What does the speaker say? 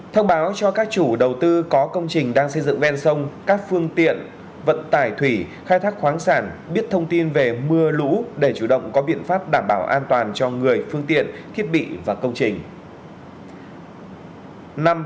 thông báo cho các chủ đầu tư có công trình đang xây dựng ven sông các phương tiện vận tải thủy khai thác khoáng sản biết thông tin về mưa lũ để chủ động có biện pháp đảm bảo an toàn cho người phương tiện thiết bị và công trình